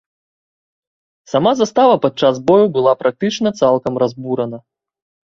Сама застава падчас бою была практычна цалкам разбурана.